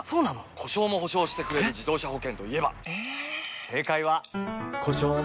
故障も補償してくれる自動車保険といえば？